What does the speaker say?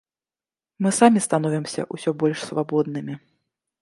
Мы самі становімся ўсё больш свабоднымі.